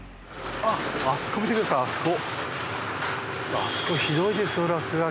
あそこ。